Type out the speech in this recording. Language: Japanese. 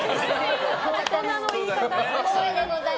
大人の言い方。